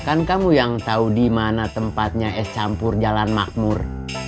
kan kamu yang tau dimana tempatnya es campur jalan makmur